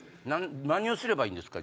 何をすればいいんですか？